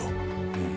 うん。